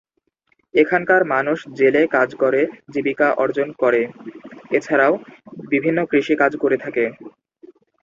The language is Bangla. এখানকার মানুষ জেলে কাজ করে জীবিকা অর্জন করে এছাড়াও বিভিন্ন কৃষি কাজ করে থাকে।